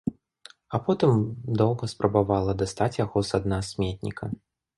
А потым доўга спрабавала дастаць яго са дна сметніка.